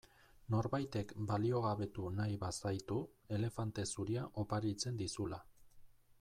Norbaitek baliogabetu nahi bazaitu elefante zuria oparitzen dizula.